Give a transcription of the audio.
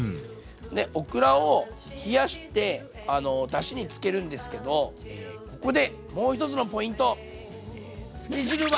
でオクラを冷やしてだしにつけるんですけどここでもう一つのポイント。